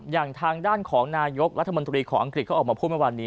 อย่างทางด้านของนายกรัฐมนตรีของอังกฤษเขาออกมาพูดเมื่อวานนี้